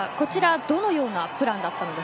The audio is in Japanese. どのようなプランでしたか。